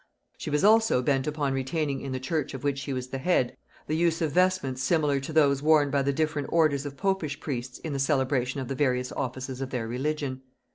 She was also bent upon retaining in the church of which she was the head the use of vestments similar to those worn by the different orders of popish priests in the celebration of the various offices of their religion.